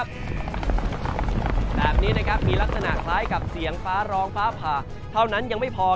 แบบนี้นะครับมีลักษณะคล้ายกับเสียงฟ้าร้องฟ้าผ่าเท่านั้นยังไม่พอ